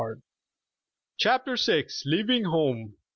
34 CHAPTER VI. LEAVING HOME.